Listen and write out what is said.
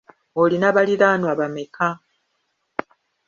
Olina baliraanwa bameka?